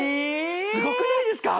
すごくないですか？